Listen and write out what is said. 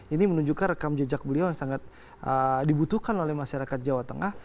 ini menunjukkan rekam jejak beliau yang sangat dibutuhkan oleh masyarakat jawa tengah